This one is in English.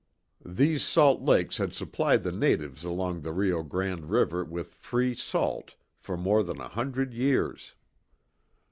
These Salt Lakes had supplied the natives along the Rio Grande river with free salt for more than a hundred years.